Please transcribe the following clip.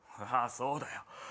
ああそうだよ。